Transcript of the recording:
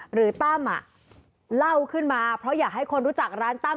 ตั้มเล่าขึ้นมาเพราะอยากให้คนรู้จักร้านตั้ม